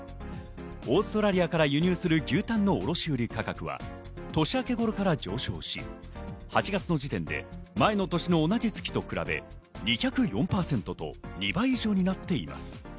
オーストラリアから輸入する牛タンの卸売価格は年明け頃から上昇し８月の時点で前の年の同じ月と比べ２０４％と２倍以上になっています。